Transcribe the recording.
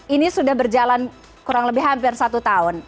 ini sudah berjalan kurang lebih hampir satu tahun